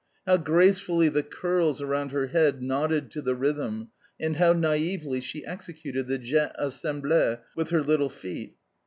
How gracefully the curls, around her head nodded to the rhythm, and how naively she executed the jete assemble with her little feet!